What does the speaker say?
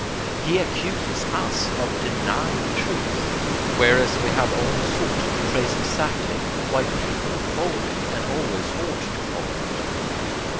He accuses us of DENYING truth; whereas we have only sought to trace exactly why people follow it and always ought to follow it.